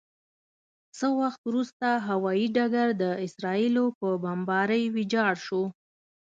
څه وخت وروسته هوايي ډګر د اسرائیلو په بمبارۍ ویجاړ شو.